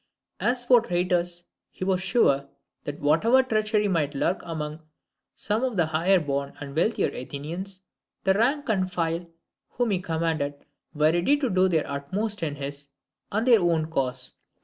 As for traitors, he was sure, that whatever treachery might lurk among some of the higher born and wealthier Athenians, the rank and file whom he commanded were ready to do their utmost in his and their own cause.